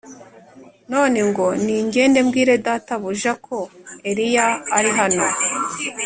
None ngo ningende mbwire databuja ko Eliya ari hano!